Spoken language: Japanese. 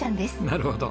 なるほど。